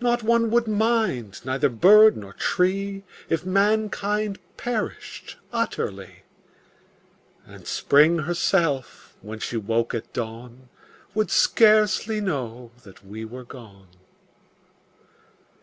Not one would mind, neither bird nor tree If mankind perished utterly; And Spring herself, when she woke at dawn, Would scarcely know that we were gone.